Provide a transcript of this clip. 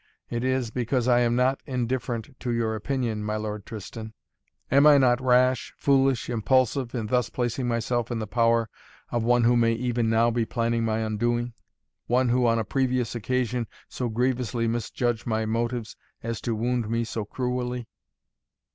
It is, because I am not indifferent to your opinion, my Lord Tristan. Am I not rash, foolish, impulsive, in thus placing myself in the power of one who may even now be planning my undoing? One who on a previous occasion so grievously misjudged my motives as to wound me so cruelly?"